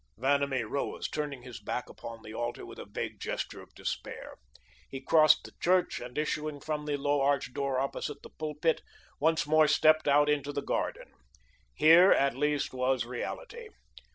Vanamee rose, turning his back upon the altar with a vague gesture of despair. He crossed the church, and issuing from the low arched door opposite the pulpit, once more stepped out into the garden. Here, at least, was reality.